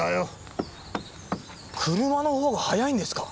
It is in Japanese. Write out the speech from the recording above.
車のほうが速いんですか？